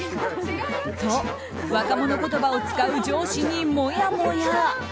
と、若者言葉を使う上司にもやもや。